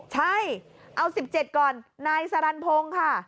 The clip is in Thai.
ใช่เอา๑๗ก่อนนายสรรพงศ์ค่ะ